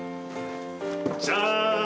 じゃん！